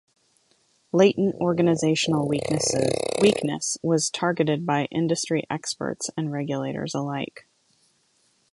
"Latent organizational weakness" was targeted by industry experts and regulators alike.